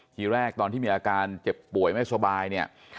ทีแรกตอนที่มีอาการเจ็บป่วยไม่สบายเนี่ย